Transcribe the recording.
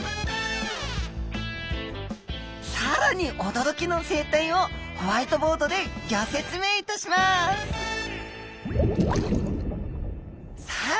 更に驚きの生態をホワイトボードでギョ説明いたしますさあ